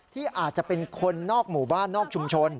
ที่อาจจะเป็นคนนอกหมู่บ้านนอกชุมชน